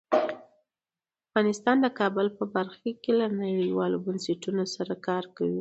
افغانستان د کابل په برخه کې له نړیوالو بنسټونو سره کار کوي.